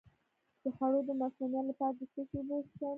د خوړو د مسمومیت لپاره د څه شي اوبه وڅښم؟